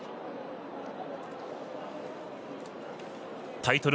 タイトル